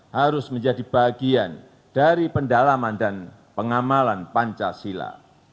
harus menjadi bagian dari pendalaman dan pengamalan pancasila